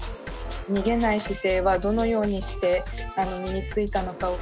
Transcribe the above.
逃げない姿勢はどのようにして身についたのかを。